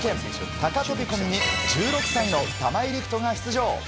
高飛込に１６歳の玉井陸斗が出場。